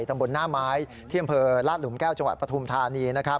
ตำบลหน้าไม้เที่ยงเผลอลาดหลุมแก้วจังหวัดประธุมธานี